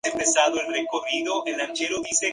El cambio de nombre tuvo dos fundamentos principales.